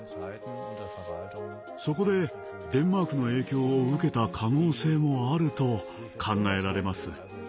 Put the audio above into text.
そこでデンマークの影響を受けた可能性もあると考えられます。